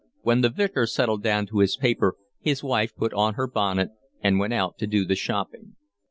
When the Vicar settled down to his paper his wife put on her bonnet and went out to do the shopping.